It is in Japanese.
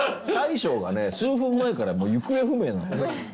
大将がね数分前からもう行方不明なの。